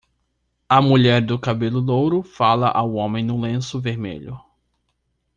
A mulher do cabelo louro fala ao homem no lenço vermelho.